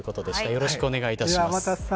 よろしくお願いします。